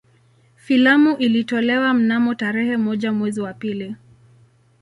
Filamu ilitolewa mnamo tarehe moja mwezi wa pili